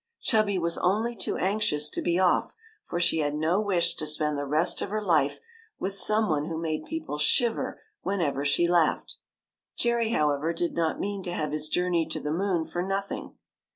Chubby was only too anxious to be off, for she had no wish to spend the rest of her life with some one who made people shiver when ever she laughed. Jerry, however, did not mean to have his journey to the moon for nothing.